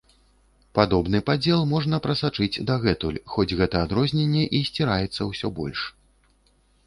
Падобны падзел можна прасачыць дагэтуль, хоць гэта адрозненне і сціраецца ўсё больш.